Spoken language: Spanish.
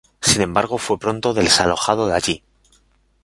Sin embargo fue pronto desalojado de allí.